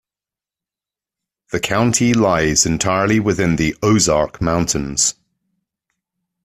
The county lies entirely within the Ozark Mountains.